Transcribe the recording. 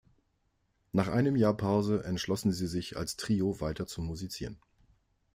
Nach einem Jahr Pause entschlossen sie sich als Trio weiter zu musizieren.